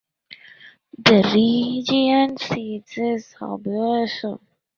The region's seat is Aboisso.